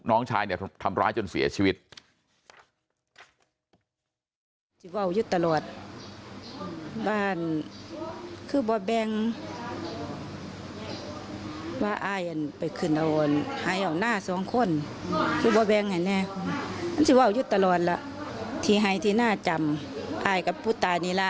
น้องชายทำร้ายจนเสียชีวิต